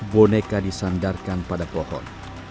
boneka disandarkan pada pohon